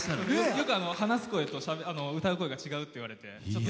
よく話す声と歌う声が違うって言われて。